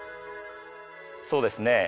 そうですね。